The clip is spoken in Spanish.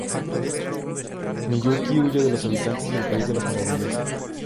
Miyuki huye de los habitantes del país de la maravillas.